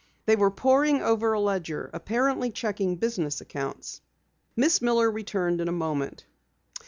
They were poring over a ledger, apparently checking business accounts. Miss Miller returned in a moment.